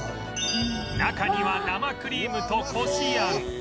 中には生クリームとこしあん